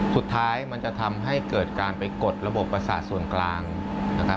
สุดท้ายมันจะทำให้เกิดการไปกดระบบประสาทส่วนกลางนะครับ